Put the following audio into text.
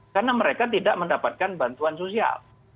karena mereka tidak mendapatkan bantuan sosial